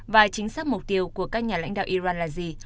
và chính xác mục tiêu của các nhà lãnh đạo iran là gì